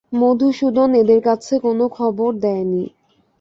মধুসূদন এদের কাছে কোনো খবর দেয় নি।